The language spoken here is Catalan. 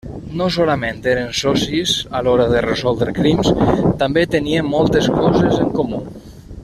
No solament eren socis a l'hora de resoldre crims; també tenien moltes coses en comú.